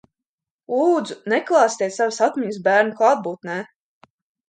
Lūdzu neklāstiet savas atmiņas bērna klātbūtnē!